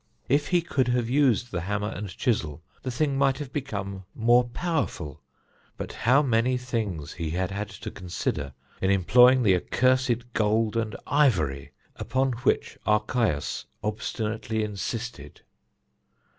If he could have used the hammer and chisel, the thing might have become more powerful; but how many things he had had to consider in employing the accursed gold and ivory upon which Archias obstinately insisted!